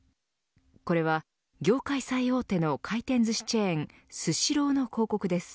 これは業界最大手の回転ずしチェーンスシローの広告です。